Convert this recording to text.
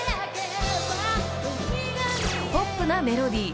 ［ポップなメロディー。